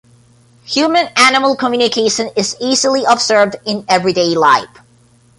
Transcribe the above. Human-animal communication is easily observed in everyday life.